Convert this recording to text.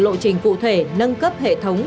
lộ trình phụ thể nâng cấp hệ thống